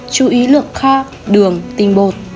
chú ý lượng kha đường tinh bột